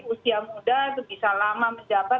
usia muda itu bisa lama menjabat